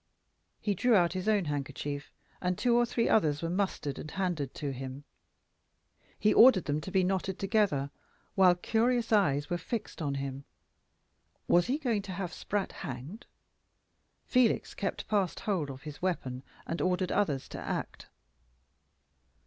He drew out his own handkerchief, and two or three others were mustered and handed to him. He ordered them to be knotted together, while curious eyes were fixed on him. Was he going to have Spratt hanged? Felix kept fast hold of his weapon, and ordered others to act.